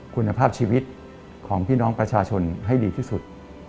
คุณภาพชีวิตของพี่น้องประชาชนให้ดีที่สุด